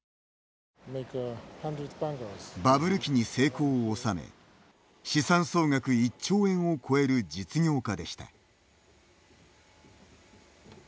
バブル期に成功を収め資産総額１兆円を超える実業家でした。